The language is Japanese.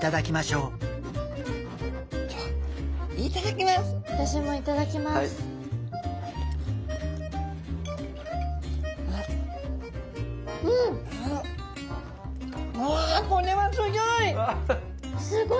うわこれはすギョい！